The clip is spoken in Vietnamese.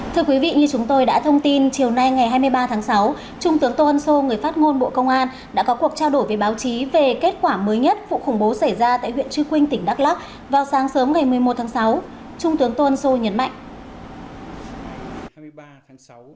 thưa quý vị như chúng tôi đã thông tin chiều nay ngày hai mươi ba tháng sáu trung tướng tô ân sô người phát ngôn bộ công an đã có cuộc trao đổi với báo chí về kết quả mới nhất vụ khủng bố xảy ra tại huyện trư quynh tỉnh đắk lắc vào sáng sớm ngày một mươi một tháng sáu trung tướng tôn sô nhấn mạnh